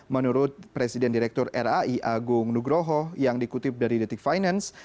menurut presiden direktur rai agung nugroho yang dikutip dari detik finance